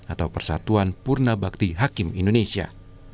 atau persatuan purnabakti hakim indonesia